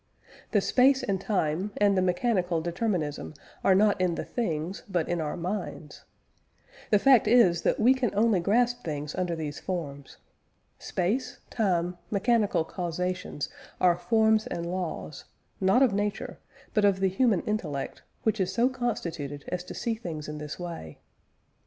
The space and time, and the mechanical determinism are not in the things, but in our minds. The fact is that we can only grasp things under these forms. Space, time, mechanical causation are forms and laws, not of nature, but of the human intellect, which is so constituted as to see things in this way.